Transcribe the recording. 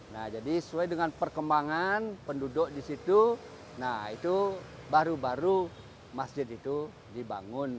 nah jadi sesuai dengan perkembangan penduduk di situ nah itu baru baru masjid itu dibangun